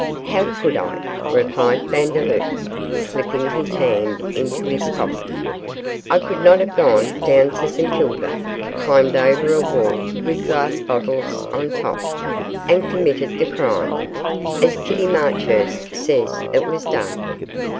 'How could I?' replied Vandeloup, slipping his hand into his pocket. 'I could not have gone down to St Kilda, climbed over a wall with glass bottles on top, and committed the crime, as Kitty Marchurst says it was done.